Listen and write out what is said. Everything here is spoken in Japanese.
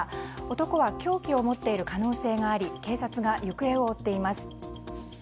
男は凶器を持っている可能性があり警察が行方を追っています。